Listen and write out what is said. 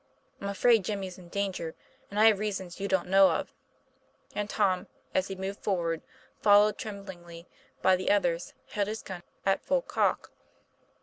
I'm afraid Jimmy's in danger, and I have reasons you don't know of;" and Tom, as he moved forward, followed tremblingly by the others, held his gun at full cock.